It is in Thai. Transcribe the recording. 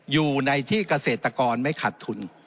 อยู่ในที่เกษตรกรไม่ขัดทุน